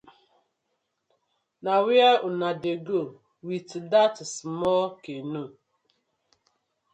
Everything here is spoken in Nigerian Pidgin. Na where uno dey go wit dat small canoe?